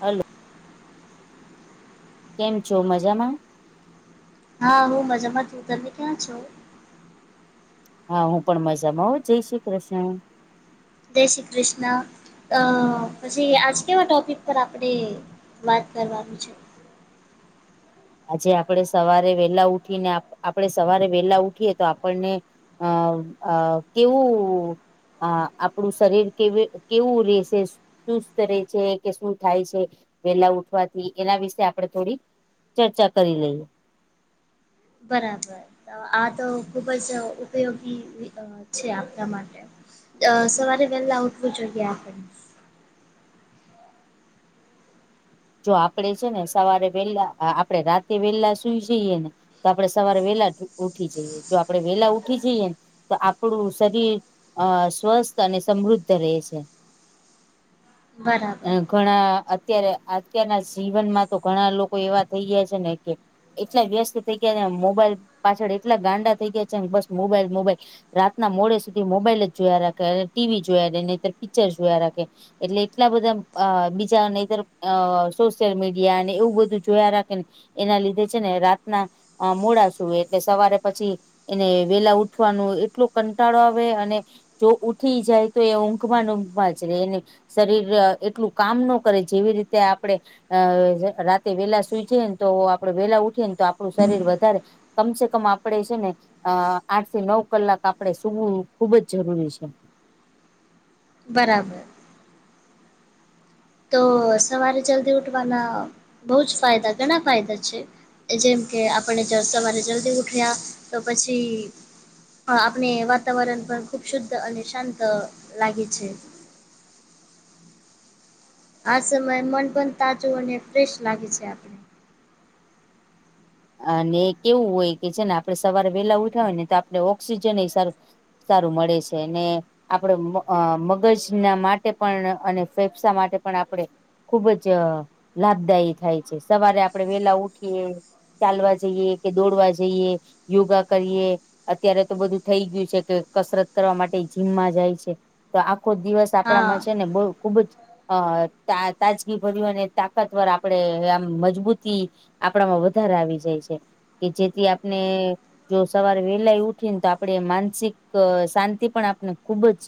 Hello. કેમ છો મજામાં? હા હું મજામાં છું, તમે ક્યાં છો? હા હું પણ મજામાં હો જય શ્રી કૃષ્ણ. જય શ્રી કૃષ્ણ, અ પછી આજ કેવા ટોપિક પર આપણે વાત કરવાની છે. આજે આપણે સવારે વેલા ઉઠીને આપણે સવારે વેલા ઉઠીએ આપણને આ [inaudible] આ આપણું શરીર કેવી કેવું રેહશે? સુસ્ત રહે છે કે શું થાય છે વેલા ઉઠવાથી એના વિશે આપડણે થોડી ચર્ચા કરી લઈએ. બરાબર આ તો ખુબ જ ઉપયોગી છે આપણા માટે. અ સવારે વહેલા ઉઠવું જોઈએ આપણે. જો આપડે છે ને સવારે વેહલા આપણે રાતે વેલા સુઈ જઈએ ને, તો આપણે સવારે વેલા ઉઠી જઈએ જો આપડે વેલા ઉઠી જઈએ ને તો આપણું શરીર અ સ્વસ્થ અને સમૃદ્ધ રહે છે. બરાબર. ઘણા અત્યારે અત્યારના જીવનમાં તો ઘણા લોકો એવા થઈ ગયા છે ને કે, એટલા વ્યસ્ત થઇ ગયા મોબાઈલ પાછળ એટલા ગાંડા થઈ ગયા છે બસ મોબાઈલ મોબાઈલ. રાતના મોડે સુધી મોબાઈલ જ જોયા રાખે અને ટીવી જોયા રહે નહિતર પિક્ચર જોયા રાખે. એટલે એટલા બધા અ બીજા નહિતર અ સોશિયલ મીડિયા અને એવું બધું જોયા રાખે ને, એના લીધે છે ને રાતના મોડા સૂવે એટલે સવારે પછી એને વેલા ઉઠવાનો એટલો કંટાળો આવે અને જો ઊઠી જાય તો એ ઊંઘમાં ને ઊંઘમાં જ રહે ને શરીર એટલું કામ ન કરે, જેવી રીતે આપડે અ રાતે વેલા સુઈ જઈએ ને તો આપડે વેલા ઉઠે ને તો આપણું શરીર વધારે કમસે કમ આપડે છે ને અ આઠથી નવ કલાક આપણેે સુૂવું ખુબ જ જરૂરી છે. બરાબર તો સવારે જલ્દી ઉઠવાના બહુ જ ફાયદા ઘણા ફાયદા છે. જેમ કે આપણે સવારે જલ્દી ઉઠ્યા તો પછી આપણે વાતાવરણ પણ ખુબ શુદ્ધ અને શાંત લાગે છે. આ સમય મન પણ તાજું અને ફ્રેશ લાગે છે. અને કેવું હોય કે છે ને આપડે સવારે વહેલા ઉઠયા હોય ને તો આપડે ઓક્સિજન એ સારું સારું મળે છે ને આપણે મગજ ના માટે પણ અને ફેફસા માટે પણ આપણે ખુબ જ લાભદાયી થાય છે. સવારે આપણે વેલા ઉઠીએ. ચાલવા જઈએ કે દોડવા જઈએ, યોગા કરીએ અત્યારે તો બધું થઈ ગયું છે કે કસરત કરવા માટે જીમમાં જાય છે તો આખો દિવસ આપડામાં હા છે ને બહુ ખુબ જ અ તાજગીભર્યું અને તાકાતવર આપડે આમ મજબૂતી આપડામાં [unintelligible] ગર આવી જાય છે કે જેથી આપણે જો સવારે વેલાય ઉઠીને તો આપણે માનસિક શાંતિ પણ આપણે ખુબ જ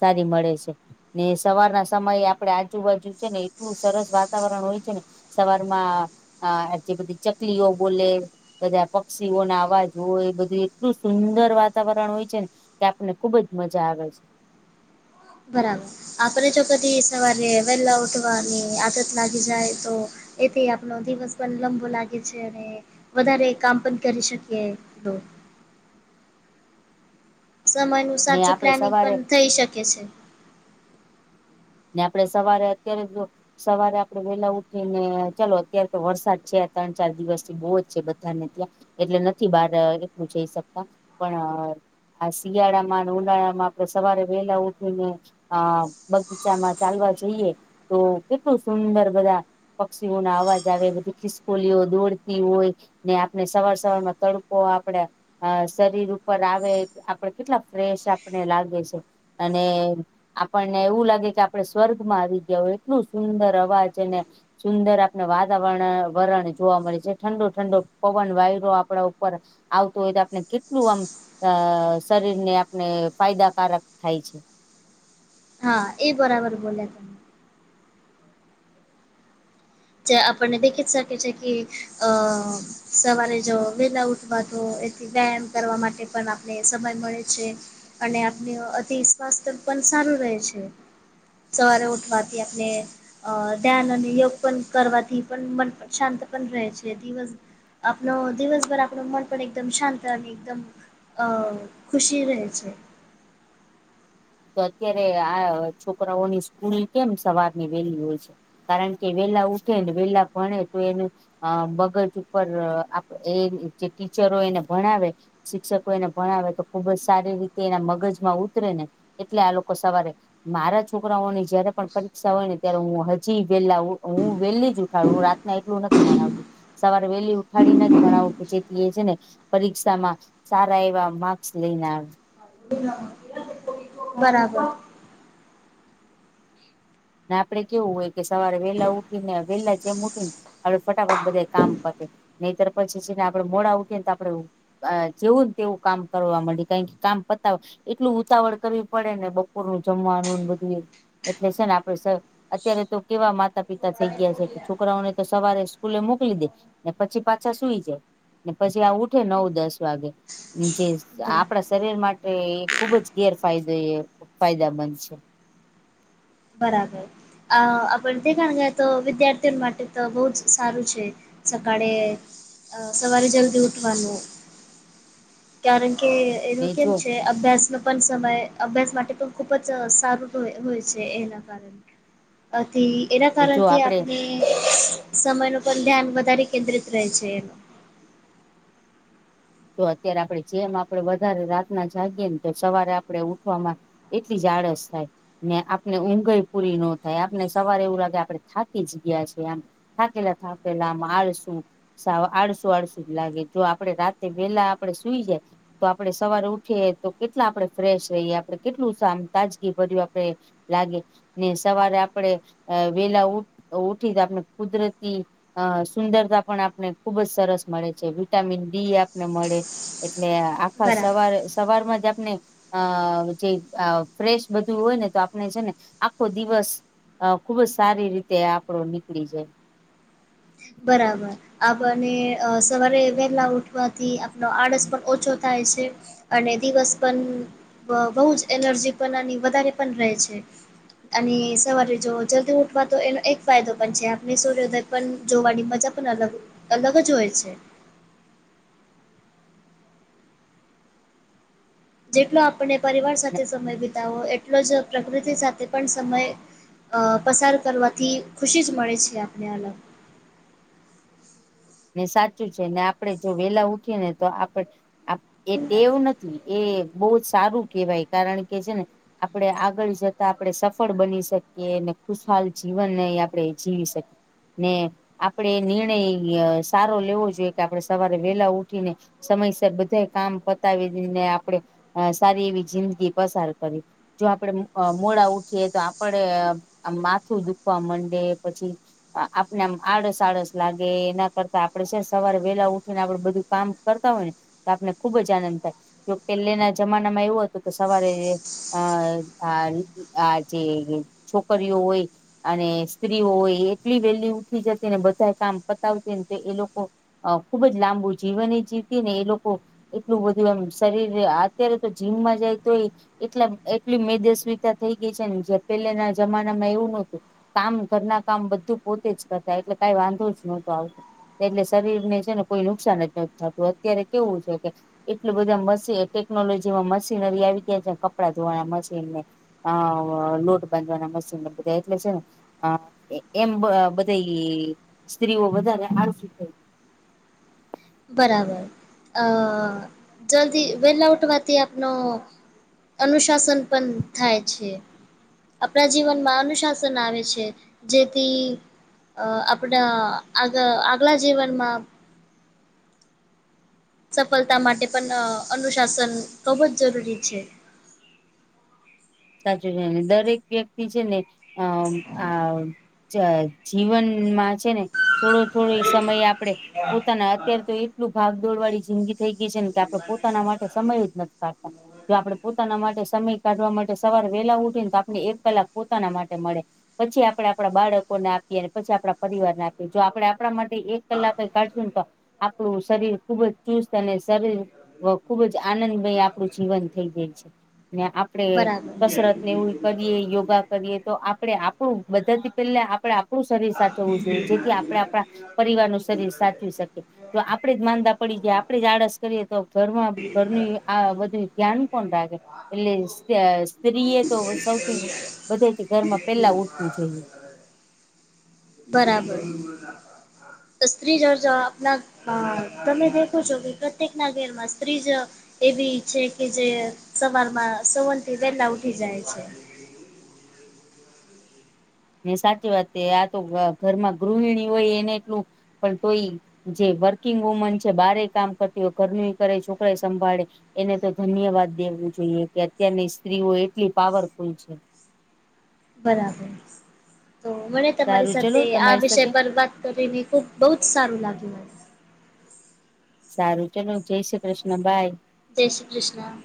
સારી મળે છે. ને સવાર ના સમયે આપડે આજુબાજુ છે ને એટલું સરસ વાતાવરણ હોય છે ને સવાર માં આ જે બધી ચકલીઓ બોલે બધા પક્ષીઓના અવાજ હોય એ બધું એટલું સુંદર વાતાવરણ હોય છે ને તે આપણને ખુબ જ મજા આવે છે. બરાબર આપડે જો કદી સવારે વેલા ઉઠવાની આદત લાગી જાય તો એથી આપડો દિવસ પણ લંબો લાગે છે અને વધારે કામ પણ કરી શકીએ તો સમયનું ને સાચું આપડે પ્લાનિંગ સવારે પણ થઈ શકે છે. ને આપડે સવારે અત્યારે જો સવારે આપડે વેલા ઉઠી ને ચાલો અત્યારે તો વરસાદ છે ત્રણ ચાર દિવસથી બહુ જ છે બધા ને ત્યાં એટલે નથી બહાર એટલું જઈ શકતા પણ આ શિયાળામાં અને ઉનાળામાં આપણે સવારે વેલા ઉઠીને [unintelligible] બગીચામાં જઈએ તો કેટલું સુંદર બધા પક્ષીઓ ના અવાજ આવે બધી ખિસકોલીઓ દોડતી હોય ને આપણે સવાર સવારમાં તડકો આપડે અ શરીર ઉપર આવે આપડે કેટલા ફ્રેશ આપણને લાગે છે. અને આપણને એવું લાગે આપડે સ્વર્ગમાં આવી ગયા હોય એટલું સુંદર અવાજ અને સુંદર આપને વાતાવરણ વરણ જોવા મળે છે ઠંડો ઠંડો પવન વાયરો આપણા ઉપર આવતું હોય તો આપણે કેટલું આમ શરીર ને આપણે ફાયદાકારક થાય છે. હા એ બરાબર બોલ્યા. આપણને દેખી જ શકે છે કે [unintelligible] સવારે જ વેલા ઉઠવા તો એથી વ્યાયામ કરવા માટે પણ આપને સમય મળે છે. અને આપનું અતિ સ્વાસ્થ્ય પણ સારું રહે છે. સવારે ઉઠવાથી આપણે અ ધ્યાન અને યોગ પણ કરવાથી પણ મન પણ શાંત પણ રહે છે દિવસ આપણો દિવસભર આપણુ મન પણ એકદમ શાંત અને એકદમ ખુશી વેચ. તો આ છોકરાઓની સ્કૂલ કેમ સવારની વહેલી છે. કારણ કે વેલા ઉઠે ને વેલા ભણે તો એનું અ બગજ ઉપર એ જે ટીચરો એને ભણાવે શિક્ષકો એને ભણાવે તો ખુબ જ સારી રીતે એના મગજમાં ઉતરે ને એટલે આ લોકો સવારે મારા છોકરાઓની જયારે પણ પરીક્ષા હોય ને ત્યારે હું હજી હું વેલી ઉઠું વહેલા જ ઉઠાડું ના એટલું નથી ભણાવતી સવારે વહેલી ઉઠાડીને જ ભણાવું કે જેથી એ છે ને પરીક્ષામાં સારા એવા માર્ક્સ લઈને આવે. [inaudible] બરાબર ને આપડે કેવું હોય કે સવારે વેહલા ઉઠીને વેહેલા જેમ ઉઠી ને આપડે ફટાફટ બધા કામ પતે નહીતર પછી જે ને આપડે મોડા ઉઠીએ ને તો આપડે અ જેવુંને તેવું કામ કરવા મળી જાય કામ પતા એટલું ઉતાવળ કરવી પડે ને બપોરનું જમવાનું ને બધું એટલે છે ને અત્યારે તો કેવા માતા પિતા થઈ ગયા છે કે છોકરાઓને તો સવારે સ્કૂલે મોકલી દે પછી પાછા સુઈ જાય ને પછી આ ઉઠે નવ દસ વાગે જે બરાબર આપણા શરીર માટે એ ખુબ જ ગેરફાયદો એ ફાયદાામંધ છે બરાબર આપ તે કાર તો વિદ્યાર્થીઓ તો બહુ જ સારું છે. [unintelligible] સવારે જલ્દી ઉઠવાનું કારણ કે. એનો ને કેમ જો છે અભ્યાસ ન પણ સમય અભ્યાસ માટે પણ ખુબ જ સારું હોય છે. એના કારણ એના તો જો કારણથી આપડે આપણે. એ સમય પણ ધ્યાન વધારે કેન્દ્રિત રહે છે. તો અત્યારે આપણેે જેમ આપડે વધારે રાતના જાગીએ ને તો સવારે આપણે ઉઠવામાં એટલી જળસ થાય. ને આપને ઊંઘય પૂરી ન થાય આપને સવારે એવું લાગે આપણે થાકી જ ગયા છેએ આમ થાકેલા થાકેલા આમ આળસુ સાવ આળસુ આળસું જ લાગે જો આપડે રાત્રે વહેલા આપડે સુઈ જઈ તો આપડણે સવારે ઉઠીએ તો કેટલા આપડણે ફ્રેશ રહીએ આપડણે કેટલું તાજગી ભર્યું આપડે લાગે ને સવારે આપણેે વેલા ઉઠીને આપણે કુદરતી અ સુંદરતા પણ આપને ખુબજ સરસ મળે છે વિટામિન ડી ને મળે એટલે આખા બરાબર સવારે સવારમાં જ આપને અ જે ફ્રેશ બધું હોય ને તો આપણે છે ને આખો દિવસ અ ખુબ જ સારી રીતે આપડો નીકળી જાય બરાબર આપને સવારે વહેલા ઉઠવાથી આપનો આળસ પણ ઓછો થાય છે. અને દિવસ પણ બહુ જ એનર્જી પણ વધારે રહે છે અને સવારે જો જલ્દી ઉઠવા તો એનો એક ફાયદો પણ છે આપને સૂર્યોદય પણ જોવાની મજા પણ અલગ અલગ જ હોય છે. જેટલો આપને પરિવાર સાથે સમય વિતાવવો એટલો જ પ્રકૃતિ સાથે પણ સમય અ પસાર કરવાથી ખુશી જ મળે છે આપને અલગ. ને સાચું છે. ને આપડે જો વેલા ઉઠી ને તો આપડ એ ટેવું નથી. એ બહુ જ સારું કેહેવાય કારણ કે છે ને આપણે આગળ જતા આપણે સફળ બની શકીએ અને ખુશહાલ જીવનને આપણે જીવી શકીએ ને આપડે એ નિર્ણય સારો લેવો જોઈએ કે આપણે સવારે વેલા ઉઠીને સમયસર બધા કામ પતાવીને આપડે સારી એવી જિંદગી પસાર કરી જો આપડે મોડા ઉઠીએ તો આપડે માથું દુખવા માંડે પછી આપણે આમ આળસ આળસ લાગે ના કરતા આપડે છે સવારે વેલા ઉઠીને આપડે બધું કામ કરતા હોય ને તો આપને ખુબ જ આનંદ થાય જો પહેલેના જમાનામાં એવું હતું કે સવારે અ આ આ જે છોકરીઓ હોય અને સ્ત્રીઓ એટલી વેલી ઉઠી જતી ને બધા કામ પતાવતીને તો એ લોકો અ ખુબ જ લાંબુ જીવન એ જીવતી ને એ લોકો એટલું બધું એમ શરીર અત્યારે તો જીમમાં જાય તોય એટલા એટલી મેદસ્વીતા થઈ ગઈ છે ને જે પેલાના જમાનામાં એવું નહોતું કામ ઘરના કામ બધું પોતે જ કરતા એટલે કઈ વાંધો જ નહતો આવ એટલે શરીર ને છે ને કોઈ નુકસાન જ થતું અત્યારે કેવું છે કે એટલ બધા મશીન ટેકનોલોજી માં મશીનરી આવી ગયા છે કપડાં ધોવાના મશીનને હા લોટ બાંધવાના મશીન બધા એટલે છે ને અ એમ બધા સ્ત્રીઓ બધાને હાલશે. બરાબર અ જલ્દી વેલ ઉઠવાથી આપનો અનુશાસન પણ થાય છે. આપણા જીવનમાં અનુશાસન આવે છે જેથી અ આપણા આગ આગલા જીવનમાં સફળતા માટે પણ અનુશાસન ખૂબ જ જરૂરી છે. સાચું છેને દરેક વ્યક્તિ છે ને અ આ ચ જીવનમાં છે ને થોડો થોડો સમય આપડે પોતાના અત્યારે તો એટલું ભાગદોડવાળી જિંદગી થઈ ગઈ છે ને કે આપણે પોતાના માટે સમય જ નથી કાઢતા જો આપણે પોતાના માટે સમય કાઢવા માટે સવાર વેલા ઉઠી ને તો આપને એક પહેલાક પોતાના માટે મળે પછી આપડે આપણા બાળકોને આપીએ અને પછી આપણા પરિવારને આપીએ જો આપડે આપણા માટે એક કલાક જ કાઢશું તો આપણું શરીર ખુબ જ ચુસ્ત અને શરીર ને ખૂબ જ આનંદમય આપણું જીવન થઈ જાય છે ને આ આપડે બરાબર કસરત ને એવું કરીએ યોગા કરીએ તો આપડે આપણું બધાથી પેલા આપણેે આપડુ શરીર સાચવવું જોઈએ જેથી આપણે આપણા પરિવાર નું શરીર સાચવી શકીએ તો આપડે જ માંદા પડી જાય આપડે જ આડસ કરીએ તો ઘરમાં ઘરની આ બધું ધ્યાન કોણ રાખે એટલે અ પ્રિય તો સૌથી બધાથી ઘરમાં પેલા ઉઠવું જોઈએ. બરાબર. સ્ત્રી આપના અ તમે દેખો છો કે પ્રત્યેક ના ઘેર માં ત્રીજ એવી છે કે જે સવારમાં સવન થી વહેલા ઉઠી જાય છે. ને સાચી વાત છે આ તો ઘરમાં ગૃહિણી હોય એને એટલું પણ તોય જે વર્કિંગ વુમન છે બારે કામ કરતી હોય ઘરનું કરે છોકરા સંભાળે એને તો ધન્યવાદ દેવું જોઈએ કે અત્યારની સ્ત્રીઓ એટલી પાવરફુલ છે. બરાબર તો મને તમારી સારું ચલો સાથે આ તમારી વિષય સાથે પર વાત કરીને ખુબ બહુ જ સારું લાગ્યું મને સારું ચાલો જય શ્રી કૃષ્ણ બાય જય શ્રી કૃષ્ણ.